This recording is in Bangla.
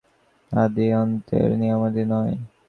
কিন্তু আকার নাই বলিয়া আত্মা এই আদি-অন্তের নিয়মাধীন নয়।